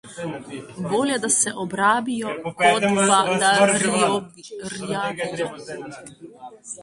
Bolje je, da se obrabijo, kot pa da rjavijo.